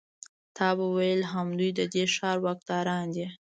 تا به ویل همدوی د دې ښار واکداران دي.